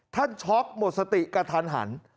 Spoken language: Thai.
ช็อกหมดสติกระทันหัน